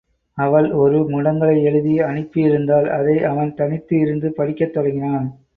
அவள் ஒரு முடங்கலை எழுதி அனுப்பி இருந்தாள் அதை அவன் தனித்து இருந்து படிக்கத் தொடங்கினான்.